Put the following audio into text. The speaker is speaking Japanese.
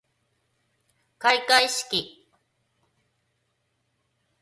開会式